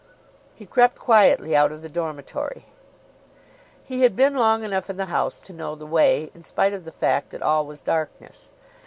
He crept quietly out of the dormitory. He had been long enough in the house to know the way, in spite of the fact that all was darkness.